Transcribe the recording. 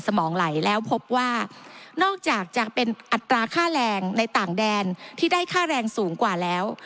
ได้ค่าแรงในต่างแดนที่ได้ค่าแรงสูงกว่าแล้ว